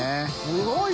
すごい！